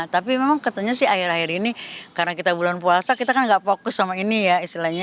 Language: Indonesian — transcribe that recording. tapi memang katanya sih akhir akhir ini karena kita bulan puasa kita kan gak fokus sama ini ya istilahnya